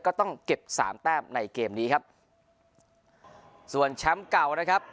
ก็ต้องเก็บสามแต้มในเกมนี้ครับส่วนแชมป์เก่านะครับ